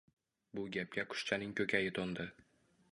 Bu gapga qushchaning ko‘kayi to‘ndi